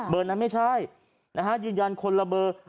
เบอร์นั้นไม่ใช่ยืนยันคนละเบอร์